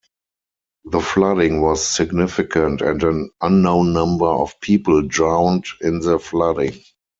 The flooding was significant and an unknown number of people drowned in the flooding.